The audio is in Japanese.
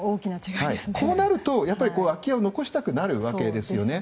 こうなると空き家を残したくなるわけですよね。